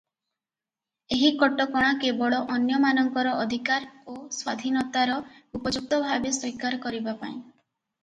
ଏହି କଟକଣା କେବଳ ଅନ୍ୟମାନଙ୍କର ଅଧିକାର ଓ ସ୍ୱାଧୀନତାର ଉପଯୁକ୍ତ ଭାବେ ସ୍ୱୀକାର କରିବା ପାଇଁ ।